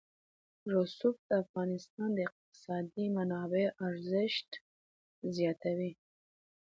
رسوب د افغانستان د اقتصادي منابعو ارزښت زیاتوي.